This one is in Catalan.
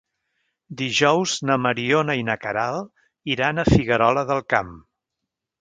Dijous na Mariona i na Queralt iran a Figuerola del Camp.